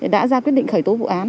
đã ra quyết định khởi tố vụ án